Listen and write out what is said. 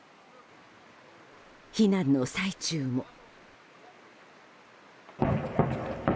避難の最中も。